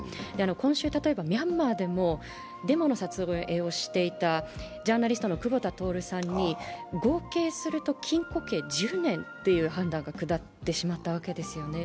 今週、例えば、ミャンマーでもデモの撮影をしていたジャーナリストの久保田徹さんに合計すると禁固刑１０年という判断が下ってしまったわけですね。